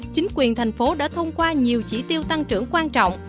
chính quyền thành phố đã thông qua nhiều chỉ tiêu tăng trưởng quan trọng